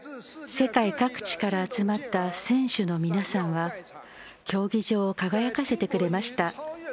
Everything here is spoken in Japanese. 世界各地から集まった選手の皆さんは競技場を輝かせてくれました。